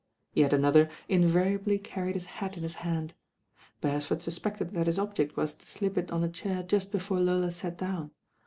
Yet another invariably car ried his hat m his hand. Beresford suspected that his object was to slip it on a chair just before Lola sat down.